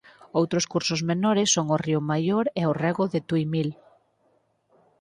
Outros cursos menores son o río Maior e o rego de Tuimil.